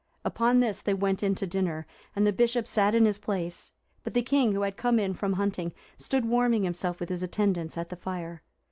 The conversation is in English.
Upon this they went in to dinner, and the Bishop sat in his place; but the king, who had come in from hunting, stood warming himself, with his attendants, at the fire.